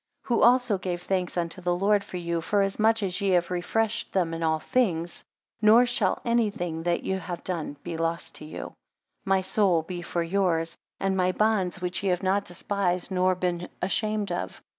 12 Who also gave thanks unto the Lord for you, forasmuch as ye have refreshed them in all things. Nor shall any thing that you have done be lost to you. 13 My soul be for yours, and my bonds which ye have not despised, nor been ashamed of.